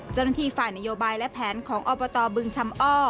เจ้าหน้าที่ฝ่ายนโยบายและแผนของอบตบึงชำอ้อ